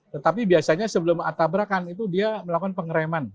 tetapi biasanya sebelum tabrakan itu dia melakukan pengereman